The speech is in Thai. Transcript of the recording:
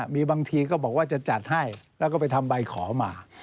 มีบางทีก็บอกว่าจะจัดให้แล้วก็ไปทำใบขอมา